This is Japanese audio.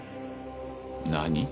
何？